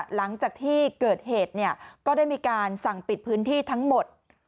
หลังจากที่เกิดเหตุก็ได้มีการสั่งปิดพื้นที่ทั้งหมด